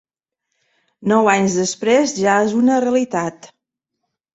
Nou anys després, ja és una realitat.